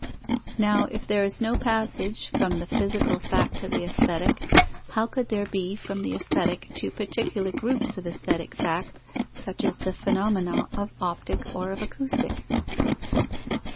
Now, if there is no passage from the physical fact to the aesthetic, how could there be from the aesthetic to particular groups of aesthetic facts, such as the phenomena of Optic or of Acoustic?